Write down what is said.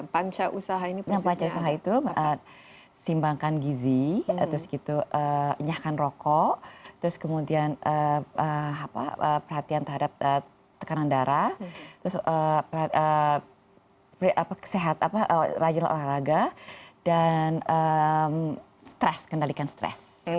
panca usaha itu simbangkan gizi enyahkan rokok kemudian perhatian terhadap tekanan darah sehat rajin olahraga dan stres kendalikan stres